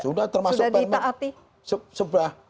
sudah termasuk permen plastik